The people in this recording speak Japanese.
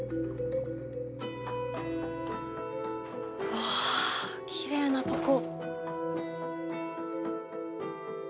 わあきれいなとこ。